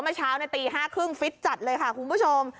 เมื่อเช้าในตี๕๓๐ฟิตจัดเลยค่ะคุณผู้ชม